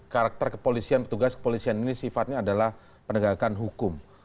karakter kepolisian petugas kepolisian ini sifatnya adalah penegakan hukum